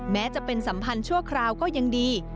แม้จะเป็นสัมพันธ์ชั่วคราวก็ยังดี